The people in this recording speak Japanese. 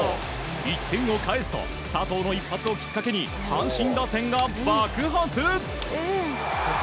１点を返すと佐藤の一発をきっかけに阪神打線が爆発！